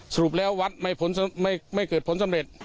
สรุปแล้ววัดไม่เกิดผลสำเร็จ